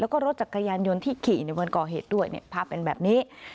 แล้วก็รถจักรยานยนต์ที่ขี่ในวันก่อเหตุด้วยภาพเป็นแบบนี้